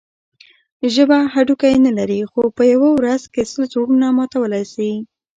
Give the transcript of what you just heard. ژبه هډوکی نه لري؛ خو په یوه ورځ کښي سل زړونه ماتولای سي.